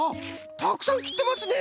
たくさんきってますね！